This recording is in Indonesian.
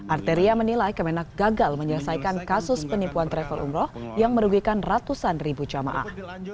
arteria menilai kemenak gagal menyelesaikan kasus penipuan travel umroh yang merugikan ratusan ribu jamaah